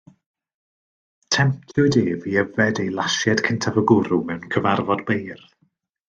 Temtiwyd ef i yfed ei lasied cyntaf o gwrw mewn cyfarfod beirdd.